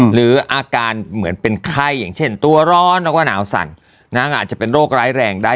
หรืออาการเหมือนเป็นไข้อย่างเช่นตัวร้อนแล้วก็หนาวสั่นอาจจะเป็นโรคร้ายแรงได้